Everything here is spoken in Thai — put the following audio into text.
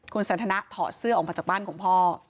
คุณสันทนะถอดเสื้อออกมาจากบ้านของพ่อ